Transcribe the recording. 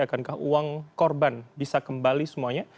akankah uang korban bisa kembali semuanya